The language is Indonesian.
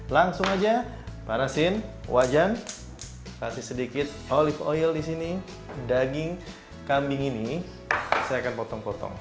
langsung aja panasin wajan kasih sedikit olive oil di sini daging kambing ini saya akan potong potong